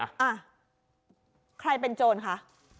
อ่ะใครเป็นโจรคะ